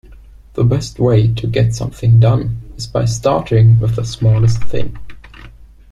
The best way to get something done is by starting with the smallest thing.